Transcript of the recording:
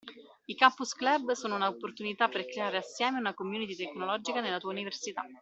I Campus Club sono una opportunità per creare assieme una community tecnologica nella tua Università.